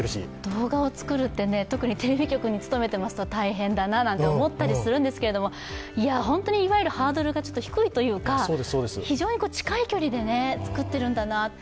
動画を作るって、特別にテレビ局に勤めていると大変だななんて思ったりするんですけどもいや、本当にハードルが低いというか、非常に近い距離で作っているんだなって。